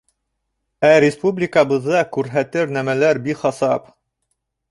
Ә республикабыҙҙа күрһәтер нәмәләр бихисап.